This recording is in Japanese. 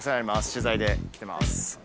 取材で来てます